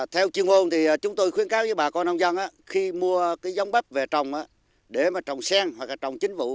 theo chuyên môn chúng tôi khuyên cáo với bà con nông dân khi mua dòng bắp về trồng để trồng sen hoặc trồng chính vụ